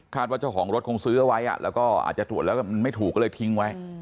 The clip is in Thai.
คาดว่าเจ้าของรถคงซื้อไว้อ่ะแล้วก็อาจจะตรวจแล้วไม่ถูกก็เลยทิ้งไว้